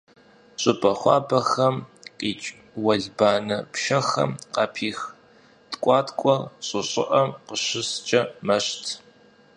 ЩӀыпӀэ хуабэхэм къикӀ уэлбанэ пшэхэм къапих ткӀуаткӀуэр щӀы щӀыӀэм къыщыскӀэ мэщт.